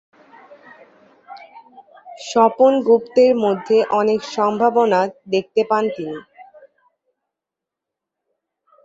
স্বপন গুপ্তের মধ্যে অনেক সম্ভাবনা দেখতে পান তিনি।